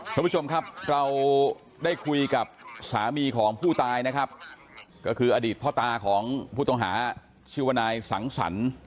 คุณผู้ชมครับเราได้คุยกับสามีของผู้ตายนะครับก็คืออดีตพ่อตาของผู้ต้องหาชื่อว่านายสังสรรค์